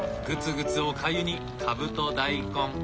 グツグツおかゆにカブと大根。